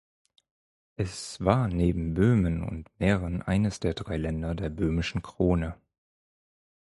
Es war neben Böhmen und Mähren eines der drei Länder der Böhmischen Krone.